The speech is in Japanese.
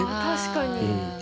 確かに。